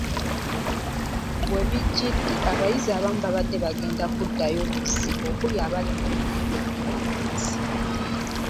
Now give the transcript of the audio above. We bijjidde ng’abayizi abamu babadde bagenda kuddayo buzzi okuli abali mu bibiina ebya wansi.